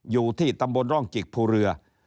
อยู่ที่ตำบลร่องจิกภูเรือ